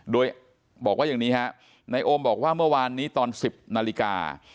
โดยบอกว่าอย่างนี้ฮะนายโอมบอกว่าเมื่อวานนี้ตอน๑๐นาฬิกา